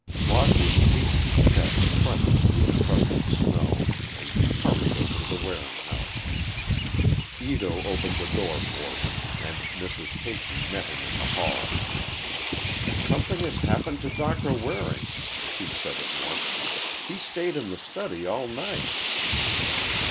Lockwood's hasty steps crunched through the crusted snow, and he hurried over to the Waring house. Ito opened the door for him and Mrs. Peyton met him in the hall. "Something has happened to Doctor Waring," she said at once; "he stayed in the study all night."